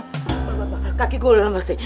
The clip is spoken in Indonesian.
pak kaki gue udah lemes nih